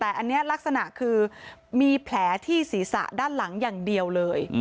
แต่อันนี้ลักษณะคือมีแผลที่ศีรษะด้านหลังอย่างเดียวเลย